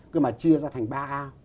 cứ mà chia ra thành ba a